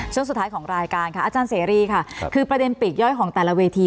ช่วงสุดท้ายของรายการค่ะอาจารย์เสรีค่ะคือประเด็นปีกย่อยของแต่ละเวที